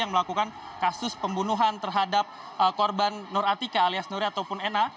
yang melakukan kasus pembunuhan terhadap korban nur atika alias nuri ataupun ena